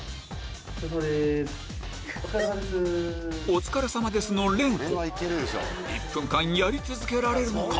「お疲れ様です」の連呼１分間やり続けられるのか？